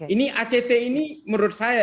ini act ini menurut saya